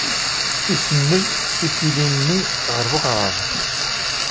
Isenned isili-nni ɣer weɣrab.